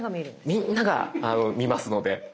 みんなが見ますので。